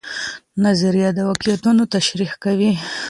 نظریه د واقعیتونو تشریح کوي.